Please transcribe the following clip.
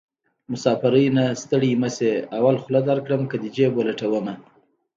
مسافرۍ نه ستړی مشې اول خوله درکړم که دې جېب ولټومه